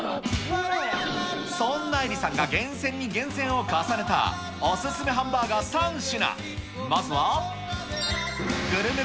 そんなエリさんが厳選に厳選を重ねた、お勧めハンバーガー３品。